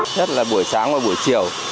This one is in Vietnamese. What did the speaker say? rất là buổi sáng và buổi chiều